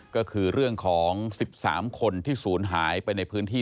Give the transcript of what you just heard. ก็คือเรื่องของ๑๓คนที่ศูนย์หายไปในพื้นที่